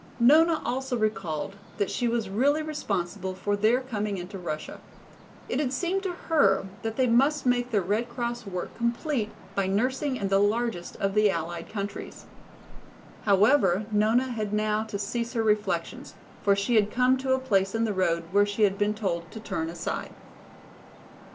Nona also recalled that she was really responsible for their coming into Russia. It had seemed to her that they must make their Red Cross work complete by nursing in the largest of the Allied countries. However, Nona had now to cease her reflections, for she had come to a place in the road where she had been told to turn aside.